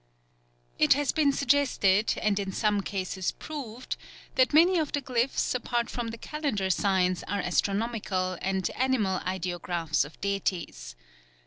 It has been suggested and in some cases proved that many of the glyphs apart from the calendar signs are astronomical and animal ideographs of deities.